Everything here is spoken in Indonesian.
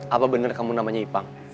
apa benar kamu namanya ipang